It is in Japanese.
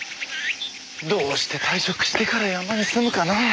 どうして退職してから山に住むかなぁ。